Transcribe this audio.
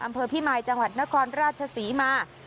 อำเภอพิมายจังหวัดนครราชศรีมา